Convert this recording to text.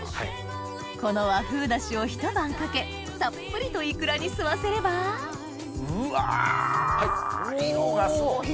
この和風出汁をひと晩かけたっぷりとイクラに吸わせればうわ色がすごい！